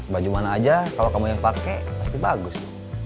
baju mana aja kalau kamu yang pakai pasti bagus